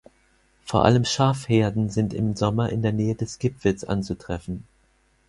Vor allem Schafherden sind im Sommer in der Nähe des Gipfels anzutreffen.